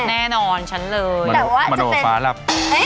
แน่นอนฉันเลยแต่ว่าจะเป็นมนุษยฟ้าลับ